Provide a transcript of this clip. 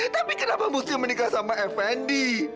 tapi kenapa musti menikah sama fnd